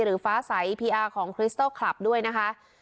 หรือฟ้าสัยคิริสเทิลค์คลับด้วยนะคะ